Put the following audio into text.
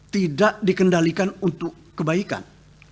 tidak dikendalikan untuk kebaikan